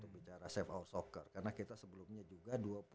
karena kita sebelumnya juga